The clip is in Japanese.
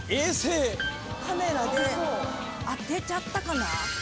カメラで、当てちゃったかな？